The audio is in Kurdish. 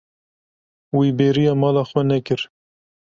Wî bêriya mala xwe nekir.